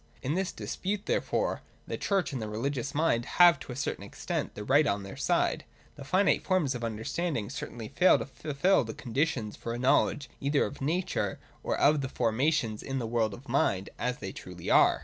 In this dispute therefore the Church and the rehgious mind have to a certain extent the right on their side. The finite forms of understanding certainly fail to fulfil the conditions for a knowledge either 136, 137 ] FORCE. 25 r of Nature or of the formations in the world of Mind as they truly are.